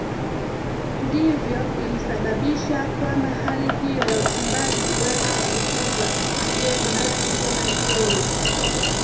ndivyo ilisababisha kwamba hali hiyo ya uchimbaji iweze kusitishwa je unaweza kusema ni kweli